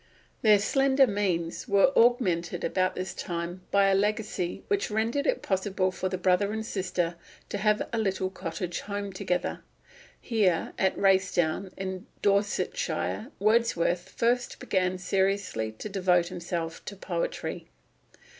Their slender means were augmented about this time by a legacy which rendered it possible for the brother and sister to have a little cottage home together. Here, at Racedown, in Dorsetshire, Wordsworth first began seriously to devote himself to poetry.